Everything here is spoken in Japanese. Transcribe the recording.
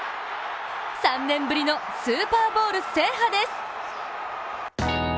３年ぶりのスーパーボウル制覇です。